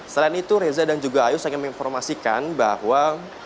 selain itu reza dan juga ayu sangat menginformasikan bahwa